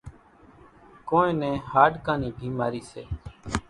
ڪونئين نين هاڏڪان نِي ڀيمارِي سي۔